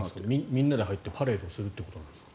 みんなで入ってパレードするということですか？